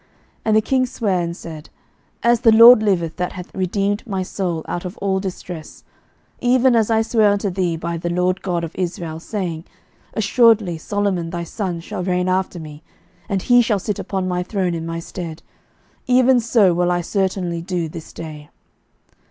11:001:029 And the king sware, and said, As the LORD liveth, that hath redeemed my soul out of all distress, 11:001:030 Even as I sware unto thee by the LORD God of Israel, saying, Assuredly Solomon thy son shall reign after me, and he shall sit upon my throne in my stead; even so will I certainly do this day.